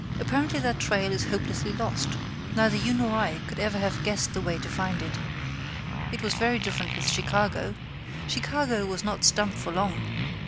Apparently that trail is hopelessly lost. Neither you nor I could ever have guessed out the way to find it. It was very different with Chicago. Chicago was not stumped for long.